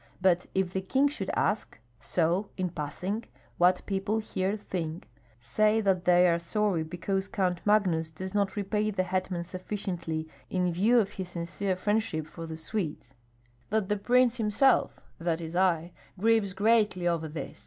But if the king should ask, so, in passing, what people here think, say that they are sorry because Count Magnus does not repay the hetman sufficiently, in view of his sincere friendship for the Swedes; that the prince himself (that is I) grieves greatly over this.